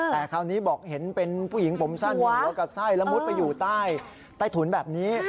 แต่คราวนี้บอกเห็นเป็นผู้หญิงผมสั้นหัวกับไส้แล้วมุดไปอยู่ใต้ถุนแบบนี้